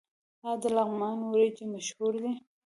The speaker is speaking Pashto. آیا د لغمان وریجې مشهورې دي؟